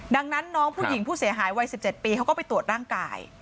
ดังนั้นน้องผู้หญิงผู้เสียหายวัย๑๗ปีเขาก็ไปตรวจร่างกาย